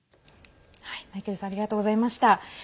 マイケルさんありがとうございました。